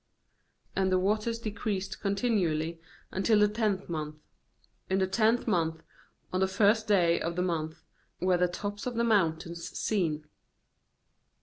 6And the waters decreased continually until the tenth month; in the tenth month, on the first day of the month, were the tops of the moun tains seen.